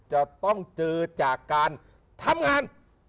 จะต้องเจอจากการทำงาน